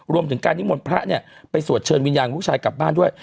รวมถึงการนิมนต์พระเนี่ยไปสวดเชิญวิญญาณของลูกชายกลับบ้านด้วย